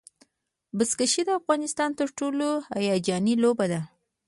بزکشي د افغانستان تر ټولو هیجاني لوبه ده.